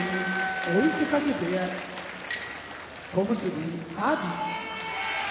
追手風部屋小結・阿炎